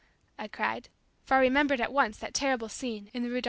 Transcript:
I cried, for I remembered at once that terrible scene in the Rue Darnetal.